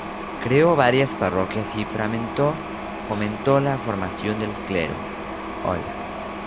Creó varias parroquias y fomentó la formación del clero.